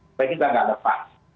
supaya kita tidak lepas